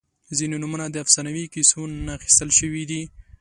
• ځینې نومونه د افسانوي کیسو نه اخیستل شوي دي.